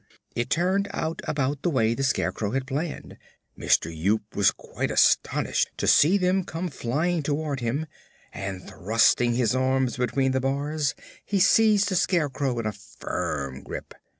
It turned out about the way the Scarecrow had planned. Mister Yoop was quite astonished to see them come flying toward him, and thrusting his arms between the bars he seized the Scarecrow in a firm grip.